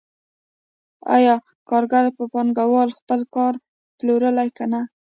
آیا کارګر په پانګوال خپل کار پلوري که نه